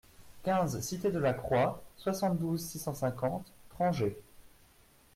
quinze cité de la Croix, soixante-douze, six cent cinquante, Trangé